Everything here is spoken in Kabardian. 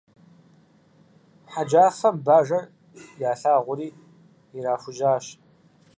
Хьэджафэм Бажэр ялъагъури ирахужьащ.